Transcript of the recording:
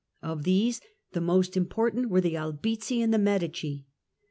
Of these the most important bizzi and were the Albizzi and the Medici.